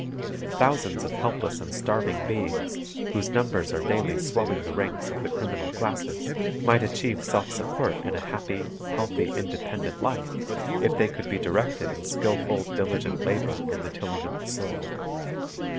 Thousands of helpless and starving beings, whose numbers are daily swelling the ranks of the criminal classes, might achieve self support in a happy, healthy, independent life if they could be directed in skilful, diligent labor in the tilling of the soil.